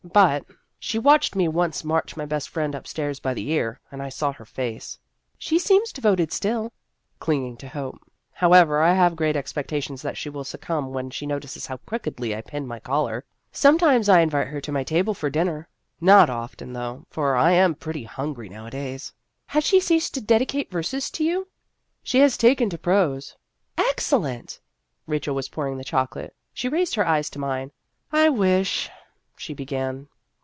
But she watched me once march my best friend up stairs by the ear. And I saw her face." " She seems devoted still." "Clinging to hope. However, I have great expectations that she will succumb when she notices how crookedly I pin my collar. Sometimes I invite her to my table for dinner not often, though, for I am pretty hungry nowadays." "Has she ceased to dedicate verses to you ?"" She has taken to prose." " Excellent !" Rachel was pouring the chocolate ; she raised her eyes to mine. " I wish " she began.